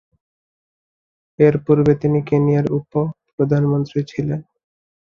এর পূর্বে তিনি কেনিয়ার উপ-প্রধানমন্ত্রী ছিলেন।